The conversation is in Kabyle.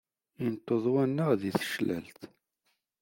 Inṭeḍ wanaɣ di teclalt.